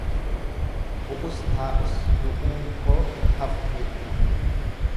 Bu'us taa'us du'uun koo hin hafu jechuudha.